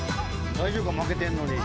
大丈夫か負けてんのに。